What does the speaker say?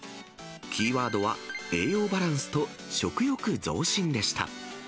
キーワードは栄養バランスと食欲増進でした。